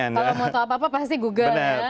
kalau mau tahu apa apa pasti google ya